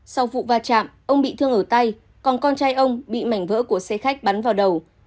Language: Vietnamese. sau vụ va chạm ông bị thương ở tay còn con trai ông bị mảnh vỡ của xe khách bắn vào đầu